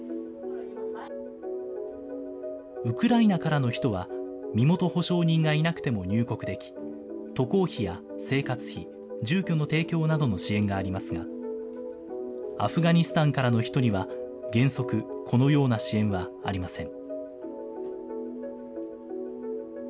ウクライナからの人は、身元保証人がいなくても入国でき、渡航費や生活費、住居の提供などの支援がありますが、アフガニスタンからの人には、原則、このような支援はありません。